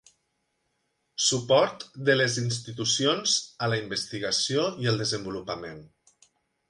Suport de les institucions a la investigació i el desenvolupament.